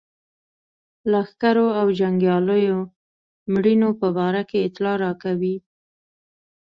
لښکرو او جنګیالیو مېړنو په باره کې اطلاع راکوي.